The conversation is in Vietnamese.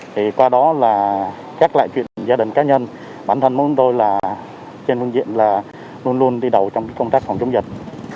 thì qua đó là các loại chuyện gia đình cá nhân bản thân mỗi tôi trên phương diện luôn luôn đi đầu trong công tác phòng chống dịch